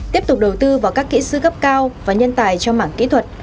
tiếp tục đầu tư vào các kỹ sư gấp cao và nhân tài cho mảng kỹ thuật